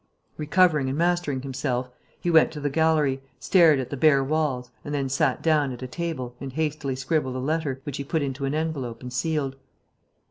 Recovering and mastering himself, he went to the gallery, stared at the bare walls and then sat down at a table and hastily scribbled a letter, which he put into an envelope and sealed.